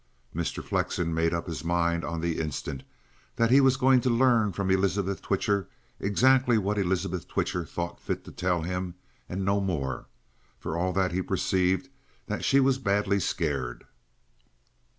Mr. Flexen made up his mind on the instant that he was going to learn from Elizabeth Twitcher exactly what Elizabeth Twitcher thought fit to tell him and no more, for all that he perceived that she was badly scared.